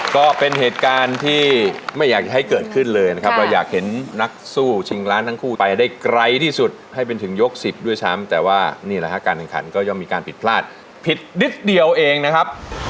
ก็เป็นเหตุการณ์ที่ไม่อยากให้เกิดขึ้นเลยนะครับเราอยากเห็นนักสู้ชิงล้านทั้งคู่ไปได้ไกลที่สุดให้เป็นถึงยก๑๐ด้วยซ้ำแต่ว่านี่แหละฮะการแข่งขันก็ย่อมมีการผิดพลาดผิดนิดเดียวเองนะครับ